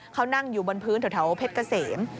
เขานั่งอยู่บนพื้นแถวเพชรเกษม